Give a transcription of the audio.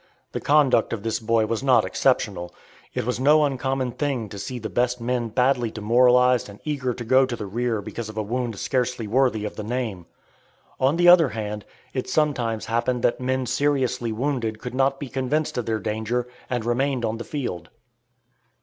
The conduct of this boy was not exceptional. It was no uncommon thing to see the best men badly demoralized and eager to go to the rear because of a wound scarcely worthy of the name. On the other hand, it sometimes happened that men seriously wounded could not be convinced of their danger, and remained on the field.